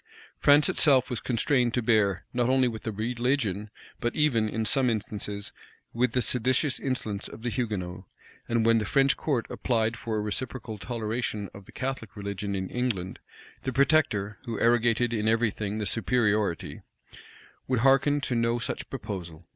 France itself was constrained to bear, not only with the religion, but even, in some instances, with the seditious insolence of the Hugonots; and when the French court applied for a reciprocal toleration of the Catholic religion in England, the protector, who arrogated in every thing the superiority, would hearken to no such proposal.